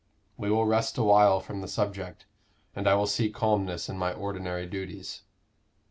We will rest a while from the subject; and I will seek calmness in my ordinary duties."